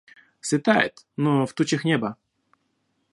Светает, но в тучах небо.